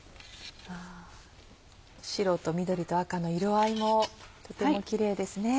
白と緑と赤の色合いもとてもキレイですね。